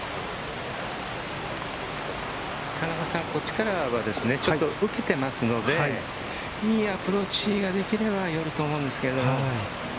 こっちからは打ててますので、いいアプローチができれば寄ると思うんですけどね。